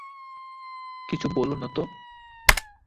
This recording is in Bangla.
কিছু বোলো না তো।